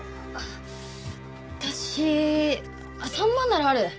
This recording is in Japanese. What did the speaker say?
私３万ならある。